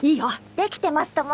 できてますとも！